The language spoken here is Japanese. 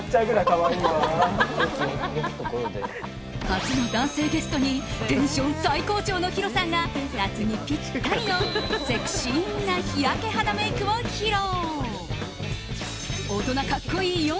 初の男性ゲストにテンション最高潮のヒロさんが夏にぴったりのセクシーな日焼け肌メイクを披露。